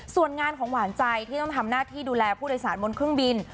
ส่วนงานของหวานใจที่ต้องทำหน้าที่ดูแลผู้โดยสารบนเครื่องบิน